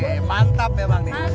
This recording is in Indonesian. oke mantap memang nih